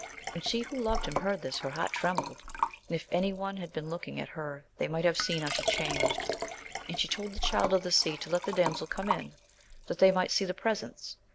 When she who loved him heard this, her heart trem bled, and if any one had been looking at her they might have seen how she changed; and she told the Child of the Sea to let the damsel come in, that they might see the^'presents.